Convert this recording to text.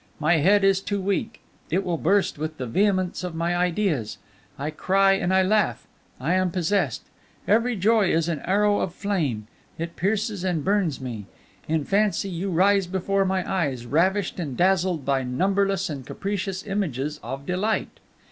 My head is too weak, it will burst with the vehemence of my ideas. I cry and I laugh I am possessed! Every joy is an arrow of flame; it pierces and burns me. In fancy you rise before my eyes, ravished and dazzled by numberless and capricious images of delight.